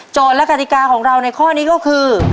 และกติกาของเราในข้อนี้ก็คือ